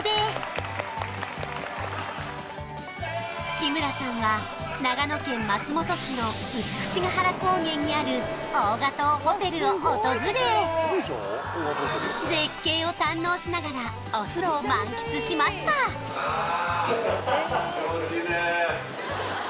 日村さんが長野県松本市の美ヶ原高原にある王ヶ頭ホテルを訪れ絶景を堪能しながらお風呂を満喫しましたああ